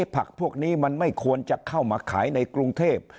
ผักพวกนี้มันไม่ควรจะเข้ามาขายในกรุงเทพ